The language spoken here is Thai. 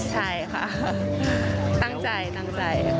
ใช่ค่ะตั้งใจตั้งใจ